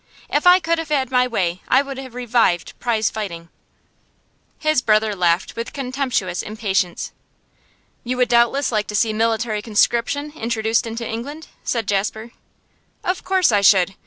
If I could have had my way I would have revived prize fighting.' His brother laughed with contemptuous impatience. 'You would doubtless like to see military conscription introduced into England?' said Jasper. 'Of course I should!